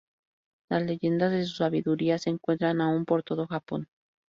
Las leyendas de su sabiduría se encuentran aún por todo Japón.